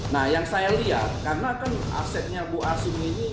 nah yang saya lihat karena kan asetnya bu asing ini